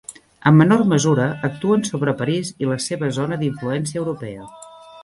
En menor mesura, actuen sobre París i la seua zona d'influència europea.